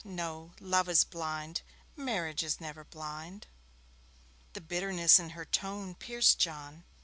No, love is blind. Marriage is never blind.' The bitterness in her tone pierced John.